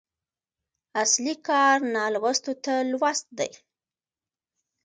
اصلي کار نالوستو ته لوست دی.